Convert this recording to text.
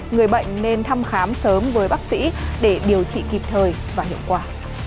người bệnh nên thăm khám sớm với bác sĩ để điều trị kịp thời và hiệu quả